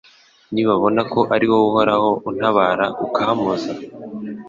nibabona ko ari wowe Uhoraho untabara ukampoza